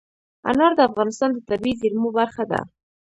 انار د افغانستان د طبیعي زیرمو برخه ده.